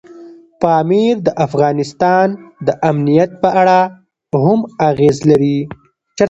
پامیر د افغانستان د امنیت په اړه هم اغېز لري.